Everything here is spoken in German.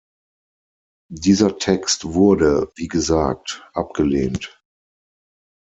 Dieser Text wurde, wie gesagt, abgelehnt.